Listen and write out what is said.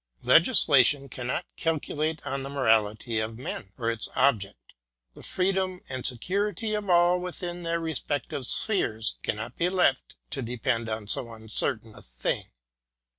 Legislation cannot calculate on the morality of men; for its object the freedom and se curity of all within their respective spheres cannot be left to depend on so uncertain a thing.